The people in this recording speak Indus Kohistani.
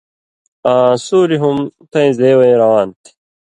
آں سُوریۡ ہُم تَیں زئ وَیں روان تھی،